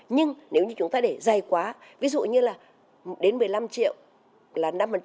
nhưng nếu như chúng ta để dày quá ví dụ như là đến một mươi năm triệu là năm